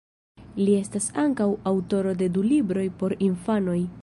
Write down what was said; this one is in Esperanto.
Li estas ankaŭ aŭtoro de du libroj por infanoj.